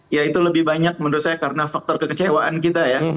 ya itu lebih banyak menurut saya karena faktor kekecewaan kita ya